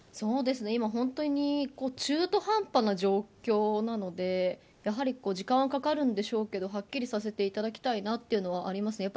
今本当に中途半端な状況なので時間はかかるんでしょうけどはっきりさせていただきたいなというのはあります。